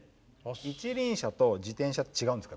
一輪車と自転車って違うんですか？